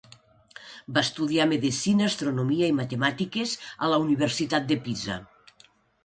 Va estudiar medicina, astronomia i matemàtiques a la Universitat de Pisa.